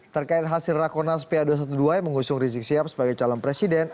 terkait hasil rakonas pa dua ratus dua belas yang mengusung rizik sihab sebagai calon presiden